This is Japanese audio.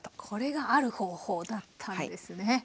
これが「ある方法」だったんですね。